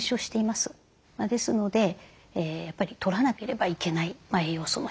ですのでやっぱりとらなければいけない栄養素の一つということになります。